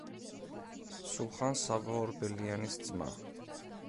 სულხან-საბა ორბელიანის ძმა.